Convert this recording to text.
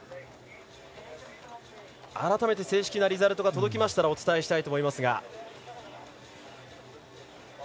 改めて、正式なリザルトが届きましたらお伝えしたいと思いますが。